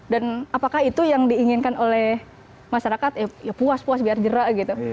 dan apakah itu yang diinginkan oleh masyarakat ya puas puas biar jerak gitu